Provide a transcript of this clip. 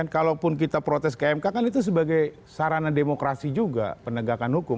kalaupun kita protes ke mk kan itu sebagai sarana demokrasi juga penegakan hukum